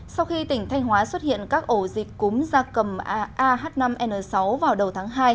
sau khi tỉnh thanh hóa xuất hiện các ổ dịch cúm gia cầm ah năm n sáu vào đầu tháng hai